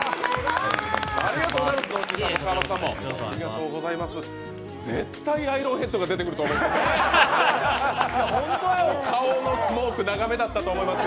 ありがとうございます。